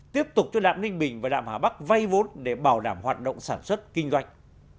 tiếp tục cho đạm ninh bình và đạm hà bắc vay vốn để bảo đảm hoạt động sản xuất kinh doanh